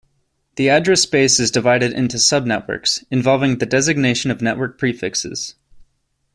The address space is divided into subnetworks, involving the designation of network prefixes.